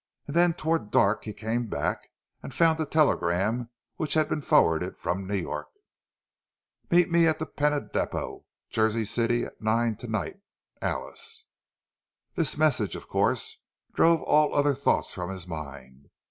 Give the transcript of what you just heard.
And then, toward dark, he came back, and found a telegram which had been forwarded from New York. "Meet me at the Penna depot, Jersey City, at nine to night. Alice." This message, of course, drove all other thoughts from his mind.